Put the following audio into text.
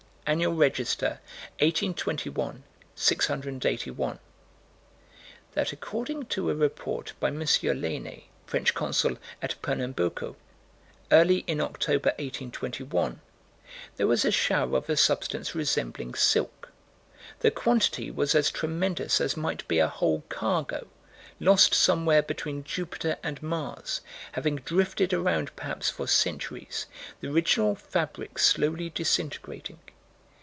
Annual Register, 1821 681: That, according to a report by M. Lainé, French Consul at Pernambuco, early in October, 1821, there was a shower of a substance resembling silk. The quantity was as tremendous as might be a whole cargo, lost somewhere between Jupiter and Mars, having drifted around perhaps for centuries, the original fabrics slowly disintegrating.